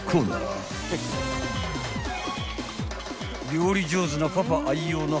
［料理上手なパパ愛用の］